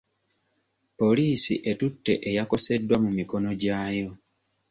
Poliisi etutte eyakoseddwa mu mikono gyayo.